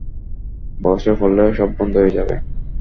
বসে পড়লে সব বন্ধ হয়ে যাবে।